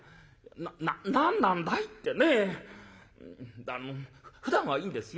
「なっなっ何なんだいってねえ。ふだんはいいんですよ